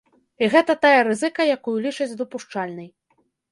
І гэта тая рызыка, якую лічаць дапушчальнай.